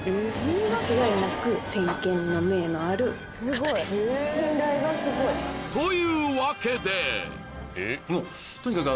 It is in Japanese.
間違いなく先見の明のある方ですというわけで！